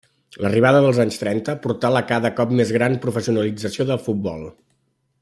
L'arribada dels anys trenta portà la cada cop més gran professionalització del futbol.